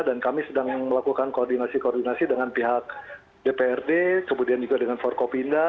dan kami sedang melakukan koordinasi koordinasi dengan pihak dprd kemudian juga dengan forkopinda